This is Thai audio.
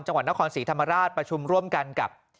จังหวัดนครศรีธรรมราชประชุมร่วมกันกับ